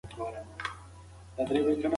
تخلیقي ادب لوستونکو ته ذهني ارامښت وربښي.